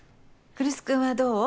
来栖君はどう？